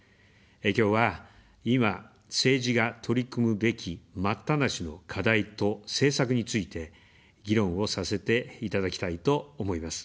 きょうは、今、政治が取り組むべき待ったなしの課題と政策について、議論をさせていただきたいと思います。